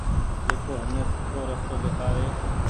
جڪو همني سوُٺو رستو ۮيکآوي ۔